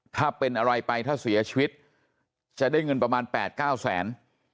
ถ้าเป็นอะไรไปถ้าเสียชีวิตจะได้เงินประมาณ๘๙แสน